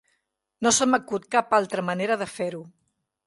No se m'acut cap altra manera de fer-ho.